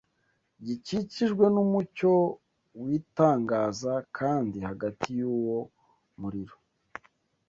gikikijwe n’umucyo w’itangaza kandi hagati y’uwo muriro